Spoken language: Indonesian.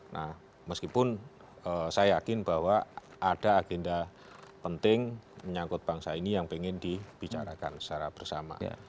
nah meskipun saya yakin bahwa ada agenda penting menyangkut bangsa ini yang ingin dibicarakan secara bersama